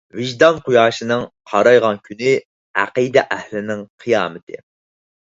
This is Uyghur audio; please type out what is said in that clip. ۋىجدان قۇياشىنىڭ قارايغان كۈنى ئەقىدە ئەھلىنىڭ قىيامىتى.